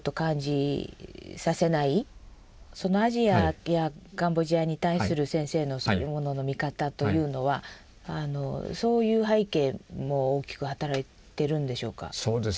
アジアやカンボジアに対する先生の物の見方というのはそういう背景も大きく働いてるんでしょうか？